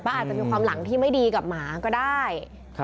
อาจจะมีความหลังที่ไม่ดีกับหมาก็ได้